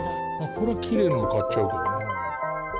これはキレイなの買っちゃうけどな。